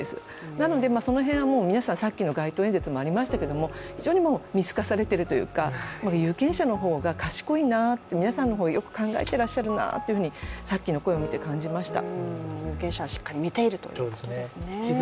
なのでその辺は、皆さんさっきの街頭演説もありましたけど非常に見透かされているというか有権者の方が賢いな皆さんの方がよく考えていらっしゃるなとさっきの声を見て感じました。